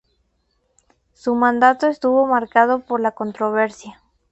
Su mandato estuvo marcado por la controversia.